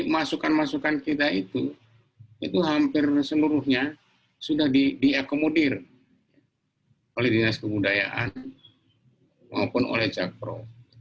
masukan masukan kita itu itu hampir seluruhnya sudah diakomodir oleh dinas kebudayaan maupun oleh jakpro